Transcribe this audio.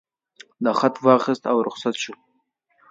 ده خط واخیست او رخصت شو.